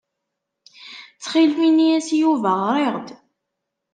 Ttxil-m, ini-as i Yuba ɣriɣ-d.